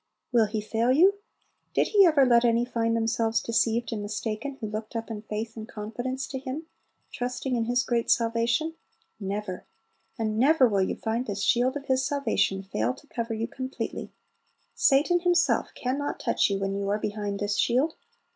Will He fail you? Did He ever let any find themselves deceived and mistaken who looked up in faith and confidence to Him, trusting in His great salvation? Never! and never will you find this shield of His salvation fail to cover you completely. Satan himself can not touch you when you are behind this shield!